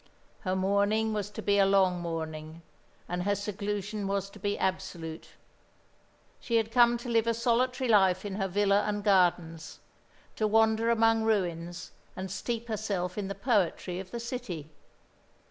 Her mourning was to be a long mourning; and her seclusion was to be absolute. She had come to live a solitary life in her villa and gardens, to wander among ruins and steep herself in the poetry of the city.